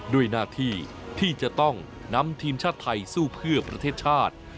ด้วยหน้าที่ที่จะต้องนำทีมชาติไทยสู้เพื่อประเทศชาติ